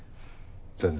全然。